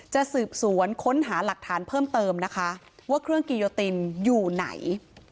จะสืบสวนค้นหาหลักฐานเพิ่มเติมนะคะว่าเครื่องกิโยตินอยู่ไหน